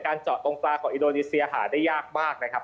เจาะตรงกลางของอินโดนีเซียหาได้ยากมากนะครับ